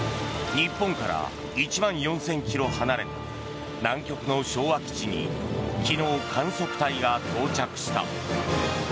日本から１万４０００ｋｍ離れた南極の昭和基地に昨日、観測隊が到着した。